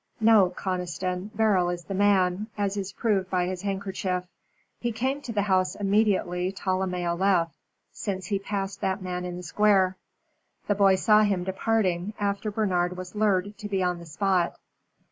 No, Conniston, Beryl is the man, as is proved by his handkerchief. He came to the house immediately Tolomeo left, since he passed that man in the Square. The boy saw him departing, after Bernard was lured to be on the spot.